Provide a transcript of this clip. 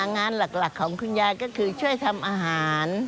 งานหลักของคุณยายก็คือช่วยทำอาหาร